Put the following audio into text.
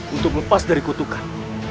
untuk melepas dari kutukan